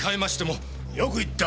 よく言った！